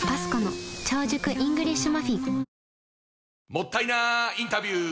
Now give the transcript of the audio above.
もったいなインタビュー！